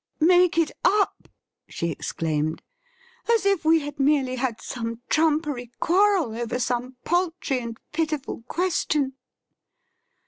' Make it up !' she exclaimed. ' As if we had merely had some trumpery quarrel over some paltry and pitiful question